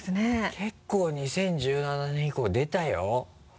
結構２０１７年以降出たよ。